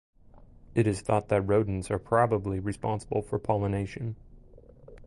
It is thought that rodents are probably responsible for pollination.